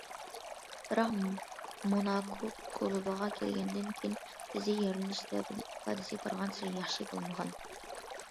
بىراق موناكو كۇلۇبىغا كەلگەندىن كېيىن تىزى يارىلىنىش سەۋەبىدىن ئىپادىسى بارغانسېرى ياخشى بولمىغان.